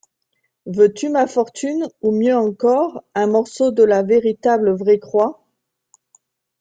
Veux-tu ma fortune, ou mieulx encores, ung morceau de la véritable vraye croix?...